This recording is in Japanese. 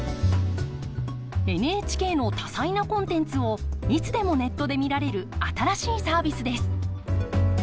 ＮＨＫの多彩なコンテンツをいつでもネットで見られる新しいサービスです。